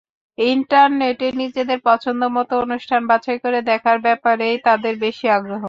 ইন্টারনেটে নিজেদের পছন্দমতো অনুষ্ঠান বাছাই করে দেখার ব্যাপারেই তাদের বেশি আগ্রহ।